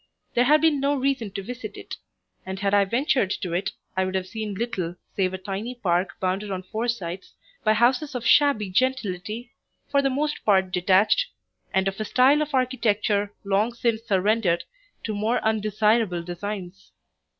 There had been no reason to visit it, and had I ventured to it I would have seen little save a tiny park bounded on four sides by houses of shabby gentility, for the most part detached, and of a style of architecture long since surrendered to more undesirable designs.